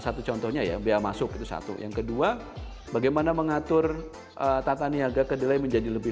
satu contohnya ya biaya masuk itu satu yang kedua bagaimana mengatur tata niaga kedelai menjadi lebih